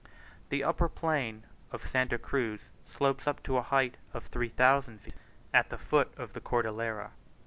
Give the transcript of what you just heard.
The upper plain of Santa Cruz slopes up to a height of 3000 feet at the foot of the Cordillera.